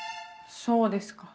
そうですか。